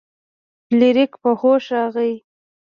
فلیریک په هوښ راغی.